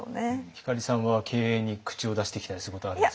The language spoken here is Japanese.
光さんは経営に口を出してきたりすることはあるんですか？